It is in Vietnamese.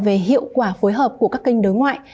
về hiệu quả phối hợp của các kênh đối ngoại